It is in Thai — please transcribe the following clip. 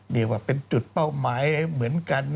เรียกว่าเป็นจุดเป้าหมายเหมือนกัน